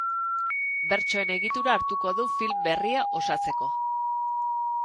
Bertsoen egitura hartuko du film berria osatzeko.